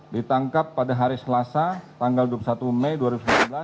ditangkap pada hari selasa tanggal dua puluh satu mei dua ribu sembilan belas